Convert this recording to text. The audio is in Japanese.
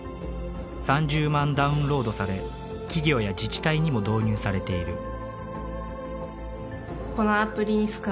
３０万ダウンロードされ企業や自治体にも導入されている。